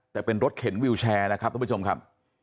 แต่เป็นรถเข็นวิวแชร์นะครับท่านผู้ชมครับ